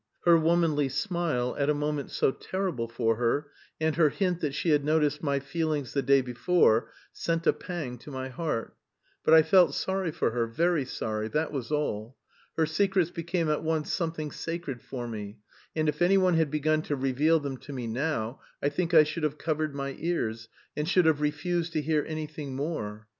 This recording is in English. Her womanly smile at a moment so terrible for her and her hint that she had noticed my feelings the day before sent a pang to my heart; but I felt sorry for her, very sorry that was all! Her secrets became at once something sacred for me, and if anyone had begun to reveal them to me now, I think I should have covered my ears, and should have refused to hear anything more.